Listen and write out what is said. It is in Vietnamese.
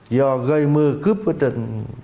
do gây mưa cướp ở trên